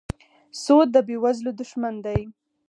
سود د بېوزلو دښمن دی.